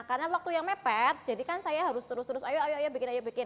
karena waktu yang mepet jadi kan saya harus terus terus ayo ayo bikin ayo bikin